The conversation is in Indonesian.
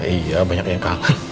iya banyak yang kangen